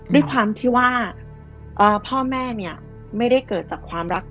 ด้วยความที่ว่าพ่อแม่เนี่ยไม่ได้เกิดจากความรัก